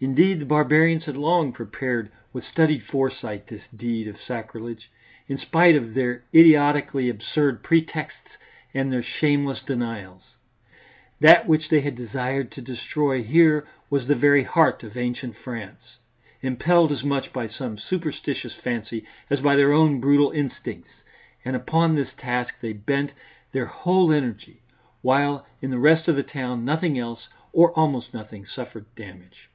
Indeed the barbarians had long prepared with studied foresight this deed of sacrilege, in spite of their idiotically absurd pretexts and their shameless denials. That which they had desired to destroy here was the very heart of ancient France, impelled as much by some superstitious fancy as by their own brutal instincts, and upon this task they bent their whole energy, while in the rest of the town nothing else, or almost nothing, suffered damage.